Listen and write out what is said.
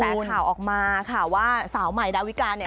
มีกระแสข่าวออกมาข่าวว่าสาวใหม่ดาวิกาเนี่ย